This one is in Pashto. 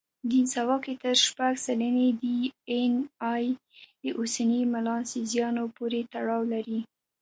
دینسووا کې تر شپږ سلنې ډياېناې د اوسني ملانزیایانو پورې تړاو لري.